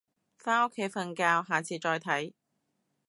返屋企瞓覺，下次再睇